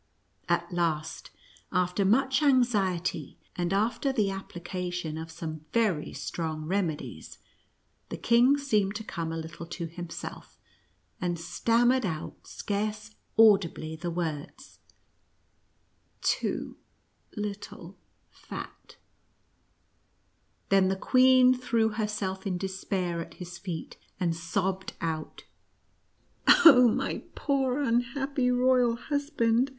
At last, after much anxiety, and after the application of some very strong remedies, the king seemed to come a little to himself, and stammered out scarce audibly the words, " Too little fat /" Then the queen threw herself in despair at his feet, and sobbed out, " Oh, my poor, unhappy, royal husband